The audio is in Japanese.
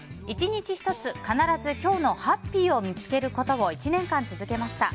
１日１つ、必ず今日のハッピーを見つけることを１年間続けました。